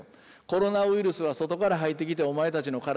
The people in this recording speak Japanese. コロナウイルスは外から入ってきてお前たちの体をむしばむ。